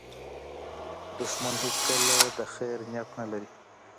دښمن هیڅکله د خیر نیت نه لري